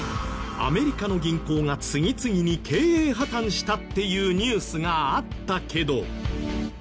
アメリカの銀行が次々に経営破たんしたっていうニュースがあったけど。